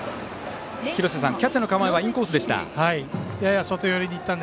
廣瀬さん、キャッチャーの構えはインコースでした。